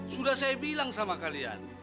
sudah saya bilang sama kalian